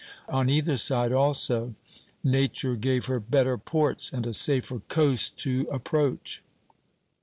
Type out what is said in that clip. On either side, also, Nature gave her better ports and a safer coast to approach.